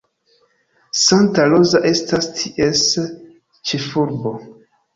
Santa Rosa estas ties ĉefurbo.